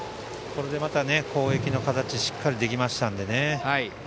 これでまた攻撃の形がしっかりできましたからね。